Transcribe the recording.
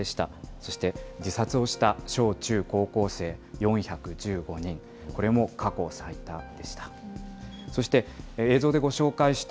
そして、自殺をした小中高校生、４１５人、これも過去最多でした。